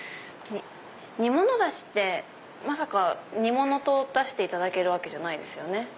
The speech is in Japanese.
煮物だしってまさか煮物と出していただけるわけじゃないですよね。